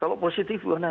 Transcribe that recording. kalau positif gimana